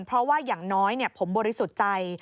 เพราะว่าอย่างน้อยผมบริสุทธิ์ใจ